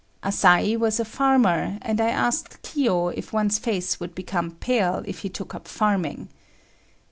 Asai was a farmer, and I asked Kiyo if one's face would become pale if he took up farming.